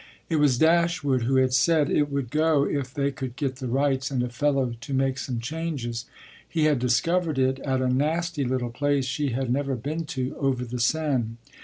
It was Dashwood who had said it would go if they could get the rights and a fellow to make some changes: he had discovered it at a nasty little place she had never been to, over the Seine.